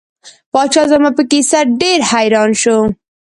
پاچا زما په کیسه ډیر حیران شو.